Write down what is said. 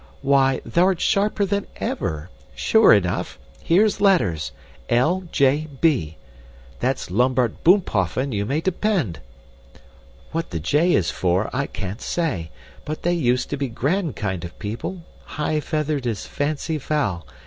"Why, thou'rt sharper than ever! Sure enough. Here's letters! L.J.B. That's Lambert Boomphoffen, you may depend. What the J is for I can't say, but they used to be grand kind o' people, high feathered as fancy fowl.